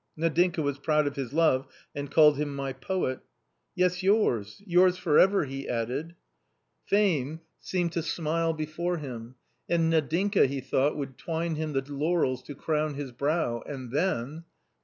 Nadinka was proud of his love and called him " my poet" " Yes, yours, yours . for ever," he added. Fame seemed ioo A COMMON STORY to smile before hiro, and Nadinka, he thought, would twine him the laurels to crown his brow, and then